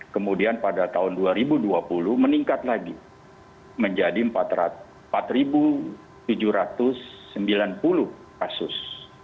kemudian pada tahun dua ribu dua puluh meningkat lagi menjadi empat tujuh ratus sembilan puluh kasus